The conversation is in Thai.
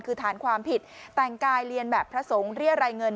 คือฐานความผิดแต่งกายเรียนแบบพระสงฆ์เรียรายเงิน